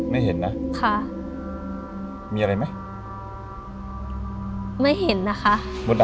ไม่เห็นเหมือนกันนะคะพี่